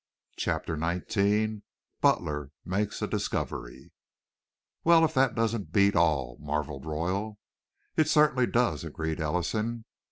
CHAPTER XIX BUTLER MAKES A DISCOVERY "Well, if that doesn't beat all!" marveled Royal. "It certainly does," agreed Ellison.